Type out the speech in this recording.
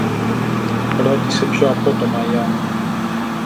ρώτησε πιο απότομα η Άννα.